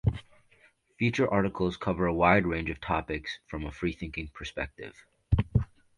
Feature articles cover a wide range of topics from a freethinking perspective.